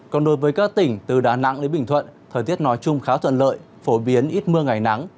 còn đối với các tỉnh từ đà nẵng đến bình thuận thời tiết nói chung khá thuận lợi phổ biến ít mưa ngày nắng